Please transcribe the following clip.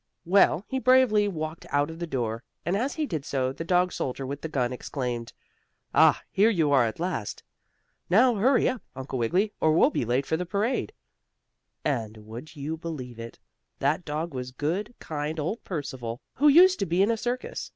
Well, he bravely walked out of the door, and as he did so the dog soldier, with the gun, exclaimed: "Ah, here you are at last! Now hurry up, Uncle Wiggily, or we'll be late for the parade!" And, would you believe it? that dog was good, kind, old Percival, who used to be in a circus.